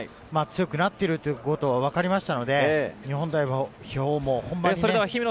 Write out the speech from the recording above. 強くなってるということがわかりましたので、日本代表も。